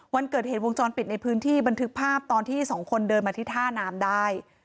วันเกิดเหตุวงจรปิดในพื้นที่บันทึกภาพตอนที่สองคนเดินมาที่ท่าน้ำได้